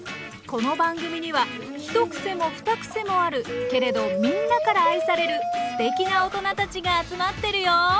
この番組には一癖も二癖もあるけれどみんなから愛されるすてきなおとなたちが集まってるよ！